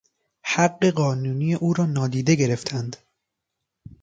حق قانونی او را نادیده گرفتند.